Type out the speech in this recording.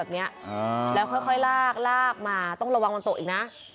ค่อยลากมาต้องระวังมันโต๊ะอีกนะ